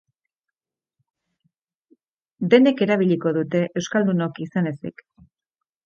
Denok erabiliko dute, euskaldunok izan ezik.